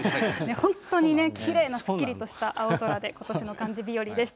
本当にね、きれいなすっきりとした青空で、今年の漢字日和でした。